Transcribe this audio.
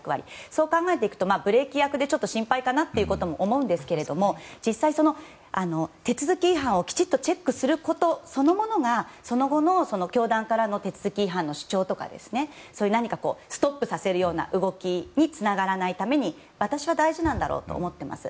そう考えていくとブレーキ役でちょっと心配かなというところも思いますが実際、手続き違反をきちっとチェックすることそのものがその後の教団からの手続き違反の主張とかそういう何かストップさせるような動きにつながらないために私は大事だと思っています。